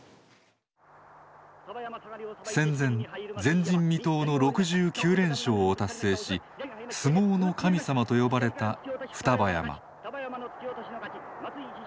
戦前前人未到の６９連勝を達成し「相撲の神様」と呼ばれた双葉山。